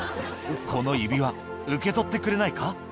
「この指輪受け取ってくれないか？」